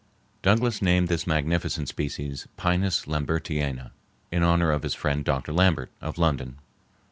Douglas named this magnificent species Pinus Lambertiana, in honor of his friend Dr. Lambert, of London.